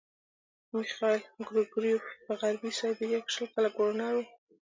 میخایل ګریګورویوف په غربي سایبیریا کې شل کاله ګورنر وو.